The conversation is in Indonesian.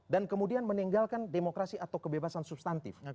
dan kemudian meninggalkan demokrasi atau kebebasan substantif